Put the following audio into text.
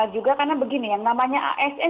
juga karena begini yang namanya asn